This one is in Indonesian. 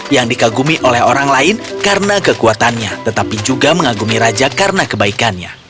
yang dikagumi oleh orang lain karena kekuatannya tetapi juga mengagumi raja karena kebaikannya